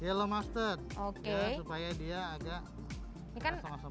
yellow mustard supaya dia agak